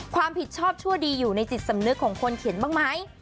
ความผิดชอบชั่วดีอยู่ในจิตสำนึกของคนเขียนบ้างไหม